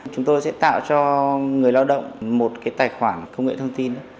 chúng tôi sẽ tạo cho người lao động một tài khoản công nghệ thông tin